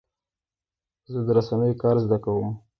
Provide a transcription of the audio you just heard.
زه د رسنیو کار زده کوم.